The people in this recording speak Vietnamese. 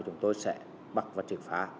chúng tôi sẽ bắt và truyền phá